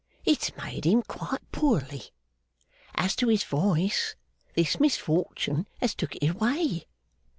It's made him quite poorly. As to his voice, this misfortune has took it away.